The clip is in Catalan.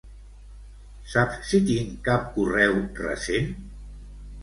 Saps si tinc cap correu recent?